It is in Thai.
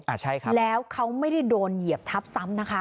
ใช้ครับแล้วเขาไม่ได้โดนเหยียบทับซ้ำนะคะ